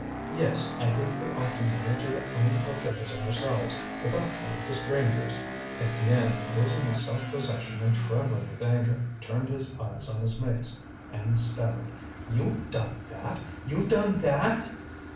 Yes, I think we ought to manage our own affairs ourselves, without turning to strangers." Étienne, losing his self possession and trembling with anger, turned his eyes on his mate's and stammered: "You've done that, you've done that?"